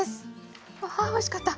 わおいしかった。